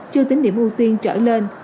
chưa tính điểm ưu tiên trở lên